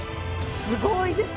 すごいですね！